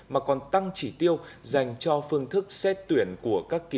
mà còn tăng chỉ tiêu